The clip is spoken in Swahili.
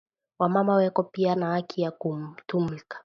Wa mama weko piya na haki ya ku tumIka